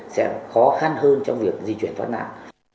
sẽ khó khăn hơn trong việc di chuyển thoát nạn